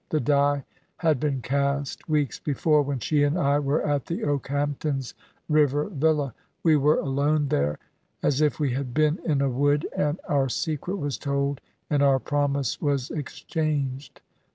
The die had been cast weeks before, when she and I were at the Okehamptons' river villa. We were alone there as if we had been in a wood, and our secret was told and our promise was exchanged.